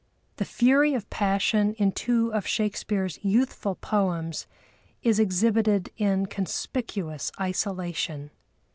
The fury of passion in two of Shakespeare's youthful poems is exhibited in conspicuous isolation.